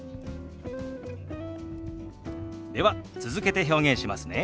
では続けて表現しますね。